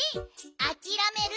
あきらめる？